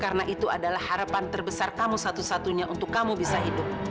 karena itu adalah harapan terbesar kamu satu satunya untuk kamu bisa hidup